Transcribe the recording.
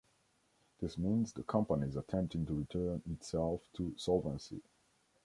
This means the company is attempting to return itself to solvency.